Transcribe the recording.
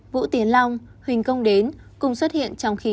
vũ tiến long huỳnh công đến cùng xuất hiện